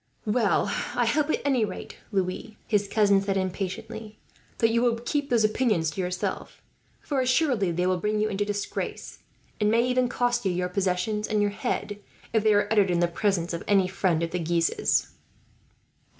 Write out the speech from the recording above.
"Well, I hope at any rate, Louis," his cousin said impatiently, "that you will keep these opinions to yourself; for assuredly they will bring you into disgrace, and may even cost you your possessions and your head, if they are uttered in the presence of any friend of the Guises."